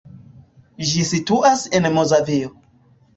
Ĝi situas en Mazovio.